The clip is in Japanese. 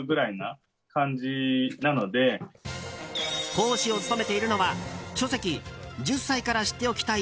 講師を務めているのは書籍「１０歳から知っておきたい